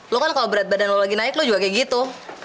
lo kan kalau berat badan lo lagi naik lo juga kayak gitu